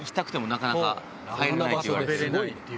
なかなか食べられないっていう。